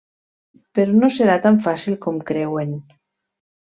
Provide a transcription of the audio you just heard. Però no serà tan fàcil com creuen.